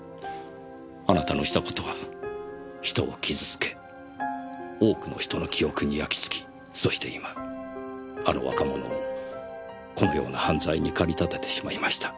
あなたのした事は人を傷つけ多くの人の記憶に焼き付きそして今あの若者をこのような犯罪に駆り立ててしまいました。